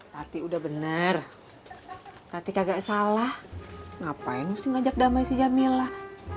tadi udah bener tadi gak salah ngapain lo sih ngajak damai si jamilah